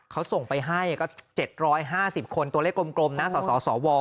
เขาส่งไปให้ก็๗๕๐คนตัวเลขกลมนะสสว